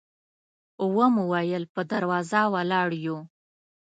و مو ویل په دروازه ولاړ یو.